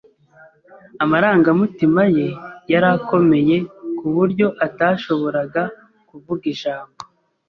Amarangamutima ye yari akomeye kuburyo atashoboraga kuvuga ijambo.